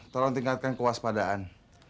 tolong tingkatkan kewaspadaan